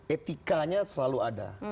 etikanya selalu ada